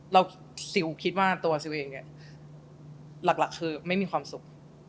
ซิลคิดว่าตัวซิลเองเนี่ยหลักคือไม่มีความสุข